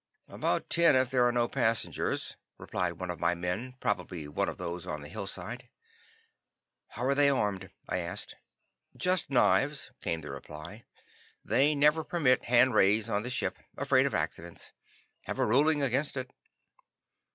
"About ten, if there are no passengers," replied one of my men, probably one of those on the hillside. "How are they armed?" I asked. "Just knives," came the reply. "They never permit hand rays on the ships. Afraid of accidents. Have a ruling against it."